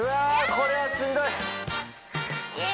これはしんどいいや